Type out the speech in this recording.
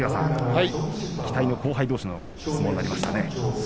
期待の後輩どうしの相撲になりましたね。